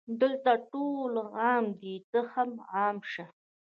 دلته ټول عام دي ته هم عام شه